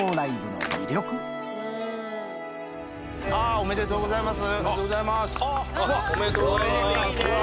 おめでとうございます。